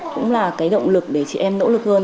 cũng là cái động lực để chị em nỗ lực hơn